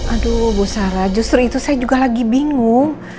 aduh bu sarah justru itu saya juga lagi bingung